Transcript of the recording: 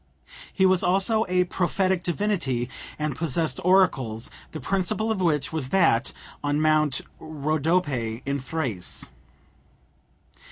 He was also a prophetic divinity, and possessed oracles, the principal of which was that on Mount Rhodope in Thrace.